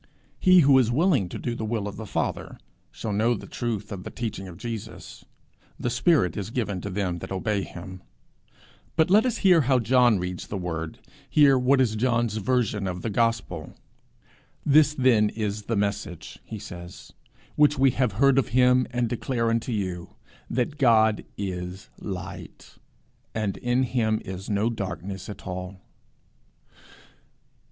He who is willing to do the will of the Father shall know the truth of the teaching of Jesus. The spirit is 'given to them that obey him.' But let us hear how John reads the Word near what is John's version of the gospel. 'This then is the message,' he says, 'which we have heard of him, and declare unto you, that God is light, and in him is no darkness at all.'